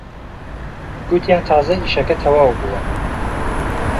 گوتیان تازە ئیشەکە تەواو بووە